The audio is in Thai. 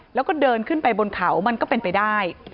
แล้วก็เดินขึ้นไปบนเขามันก็เป็นไปได้